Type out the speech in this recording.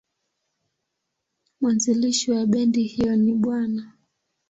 Mwanzilishi wa bendi hiyo ni Bw.